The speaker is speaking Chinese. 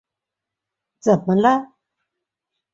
怎么了？